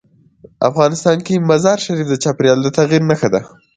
افغانستان کې مزارشریف د چاپېریال د تغیر نښه ده.